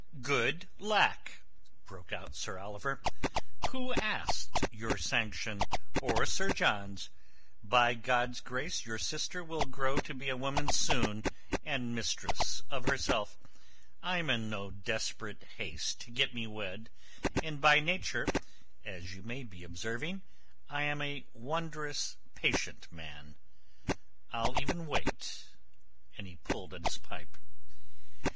"Good lack!" broke out Sir Oliver. "Who asks your sanction or Sir John's? By God's grace your sister will grow to be a woman soon and mistress of herself. I am in no desperate haste to get me wed, and by nature—as you may be observing—I am a wondrous patient man. I'll even wait," And he pulled at his pipe.